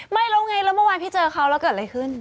ไม่แล้วไงแล้วเมื่อวานพี่เจอเขาแล้วเกิดอะไรขึ้น